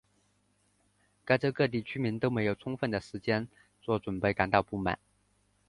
该州各地居民都对没有充分时间做准备感到不满。